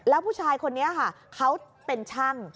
แล้วผู้ชายคนนี้ค่ะเขาเป็นช่าง